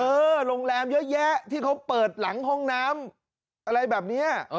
โรงแรมเยอะแยะที่เขาเปิดหลังห้องน้ำอะไรแบบนี้